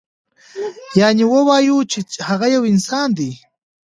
یعنې ووایو چې هغه یو انسان دی.